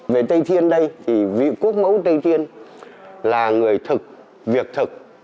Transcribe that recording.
về tây thiên đây thì vị quốc mẫu tây thiên là người thực việc thực